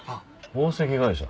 宝石会社？